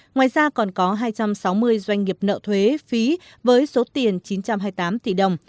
ngoài ra còn có hai trăm sáu mươi doanh nghiệp nợ thuế phí với số tiền chín trăm hai mươi tám tỷ đồng